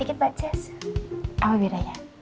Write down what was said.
sedikit mbak jess apa bedanya